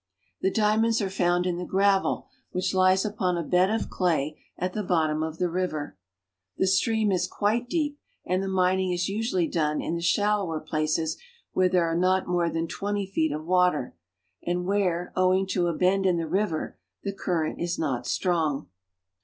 The diamonds are found in the gravel which lies upon a bed of clay at the bottom of the river. The stream is quite deep, and the mining is usually done in the shallower places where there are not more than twenty feet of water, and where, owing to a bend in the river, the current is not strong.